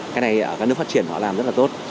cái này ở các nước phát triển họ làm rất là tốt